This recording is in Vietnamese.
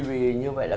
vì như vậy là